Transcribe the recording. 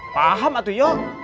paham atuh yuk